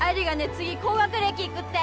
次高学歴いくって。